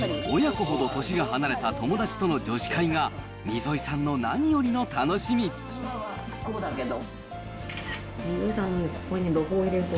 親子ほど年が離れた友達との女子会が、溝井さんの何よりの楽溝井さんね、ここね。